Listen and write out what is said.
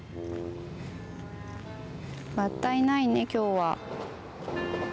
バッタいないね今日は。